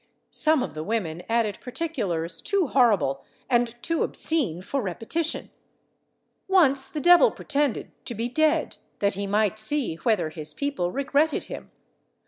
Some of the women added particulars too horrible and too obscene for repetition. Once the devil pretended to be dead, that he might see whether his people regretted him.